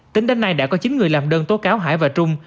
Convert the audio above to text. tính đến nay đã có chín người làm đơn tố cáo hải và trung